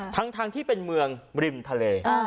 ทั้งที่เป็นเมืองริมทะเล